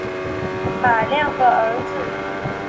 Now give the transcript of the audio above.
马亮的儿子